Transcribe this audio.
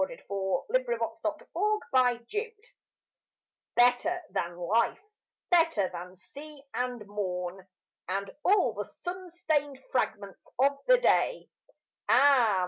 VI The Supreme Sacrifice Better than life, better than sea and morn, And all the sun stained fragments of the day Ah!